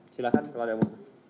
silahkan kepada ibu